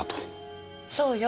そうよ。